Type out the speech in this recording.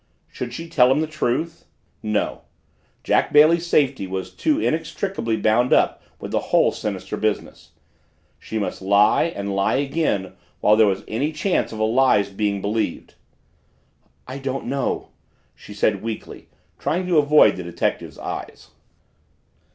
Should she tell him the truth? No Jack Bailey's safety was too inextricably bound up with the whole sinister business. She must lie, and lie again, while there was any chance of a lie's being believed. "I don't know," she said weakly, trying to avoid the detective's eyes.